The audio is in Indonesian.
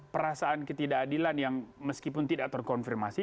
perasaan ketidakadilan yang meskipun tidak terkonfirmasi